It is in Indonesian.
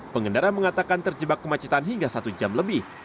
pengendara mengatakan terjebak kemacetan hingga satu jam lebih